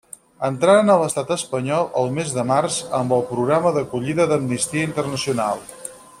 Entraren a l'Estat Espanyol el mes de març amb el programa d'acollida d'Amnistia Internacional.